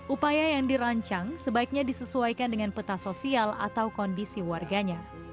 upaya yang dirancang sebaiknya disesuaikan dengan peta sosial atau kondisi warganya